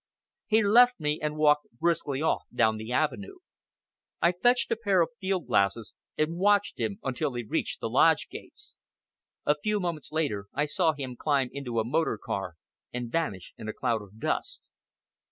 He left me and walked briskly off down the avenue. I fetched a pair of field glasses, and watched him until he reached the lodge gates. A few moments later I saw him climb into a motor car, and vanish in a cloud of dust....